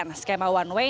ini adalah skema one way